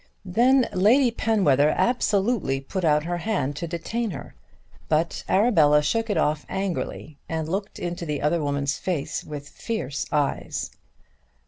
Then Lady Penwether absolutely put out her hand to detain her; but Arabella shook it off angrily and looked into the other woman's face with fierce eyes.